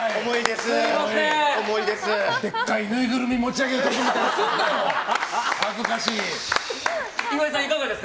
重いです。